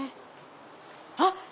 あっ！